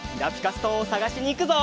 ストーンをさがしにいくぞ！